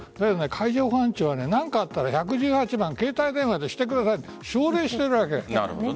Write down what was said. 海上保安庁は、何かあったら１１８番携帯電話でしてくださいって奨励しています。